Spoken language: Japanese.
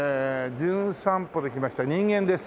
『じゅん散歩』で来ました人間です。